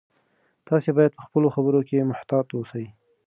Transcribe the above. تاسي باید په خپلو خبرو کې محتاط اوسئ.